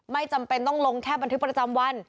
ไม่จำเป็นต้องลงแค่บันทึกประจำวัน